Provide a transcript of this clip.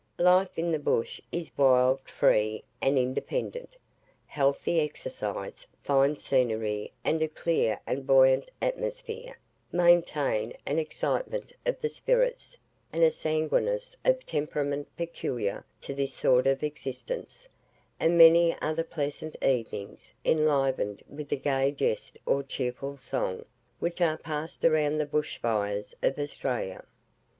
Life in the bush is wild, free and independent. Healthy exercise, fine scenery, and a clear and buoyant atmosphere, maintain an excitement of the spirits and a sanguineness of temperament peculiar to this sort of existence; and many are the pleasant evenings, enlivened with the gay jest or cheerful song, which are passed around the bush fires of Australia.